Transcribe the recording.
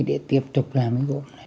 để tiếp tục làm gốm